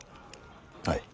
はい。